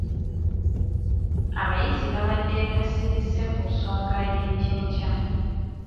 Abayizi babadde kasirise ku nsonga y'ekyenkya.